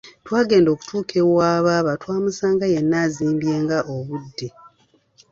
Twagenda okutuuka ewa baaba twamusanga yenna azimbye nga obudde.